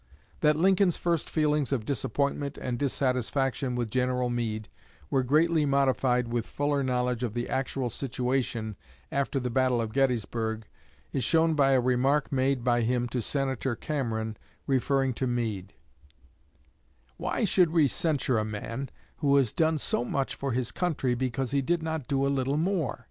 That Lincoln's first feelings of disappointment and dissatisfaction with General Meade were greatly modified with fuller knowledge of the actual situation after the battle of Gettysburg is shown by a remark made by him to Senator Cameron, referring to Meade: "Why should we censure a man who has done so much for his country because he did not do a little more?"